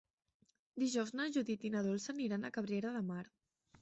Dijous na Judit i na Dolça aniran a Cabrera de Mar.